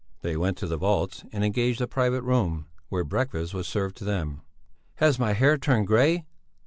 They went to the vaults and engaged a private room, where breakfast was served to them. "Has my hair turned grey?"